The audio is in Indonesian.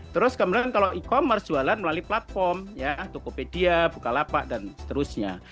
terus kemudian kalau e commerce jualan melalui platform ya tokopedia bukalapak dan seterusnya